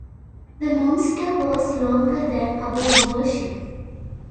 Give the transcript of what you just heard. The monster was longer than our whole ship.